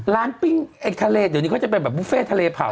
ปิ้งไอ้ทะเลเดี๋ยวนี้เขาจะเป็นแบบบุฟเฟ่ทะเลเผา